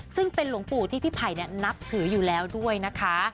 ซึ่งเป็นหลวงปู่ที่พี่ไผ่นับถืออยู่แล้วด้วยนะคะ